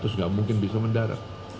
enggak mungkin bisa mendarat